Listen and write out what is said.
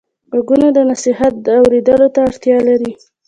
غوږونه د نصیحت اورېدلو ته اړتیا لري